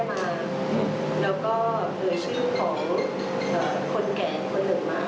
มักจะเอาของไปขายแล้วก็ยืนเงิน